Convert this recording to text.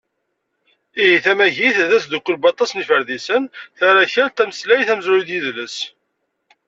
Ihi, tamagit d asddukel n waṭas n yiferdisen: tarakalt, tameslayt, amezruy d yedles.